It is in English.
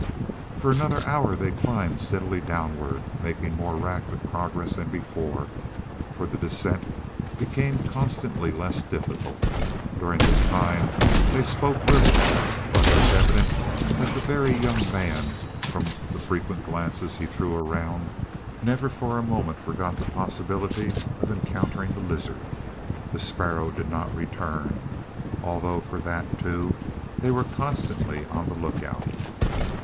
For another hour they climbed steadily downward, making more rapid progress than before, for the descent became constantly less difficult. During this time they spoke little, but it was evident that the Very Young Man, from the frequent glances he threw around, never for a moment forgot the possibility of encountering the lizard. The sparrow did not return, although for that, too, they were constantly on the look out.